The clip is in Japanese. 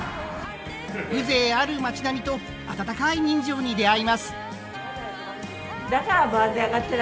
風情ある町並みと温かい人情に出会います。